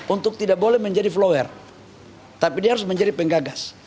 untuk tidak boleh menjadi flower tapi dia harus menjadi penggagas